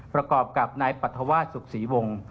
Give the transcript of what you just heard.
ประกอบกับนายปรัฐวาสสุขศรีวงศ์